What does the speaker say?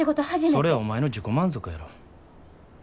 それはお前の自己満足やろ。